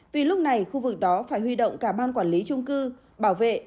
vì lúc này khu vực đó phải huy động cả ban quản lý trung cư bảo vệ